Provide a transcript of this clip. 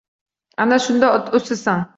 Ana shunda — o‘sasan!